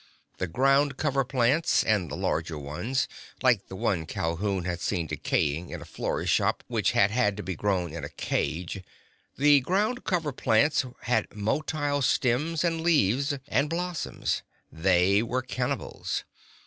The ground cover plants—and the larger ones, like the one Calhoun had seen decaying in a florist's shop which had had to be grown in a cage—the ground cover plants had motile stems and leaves and blossoms. They were cannibals.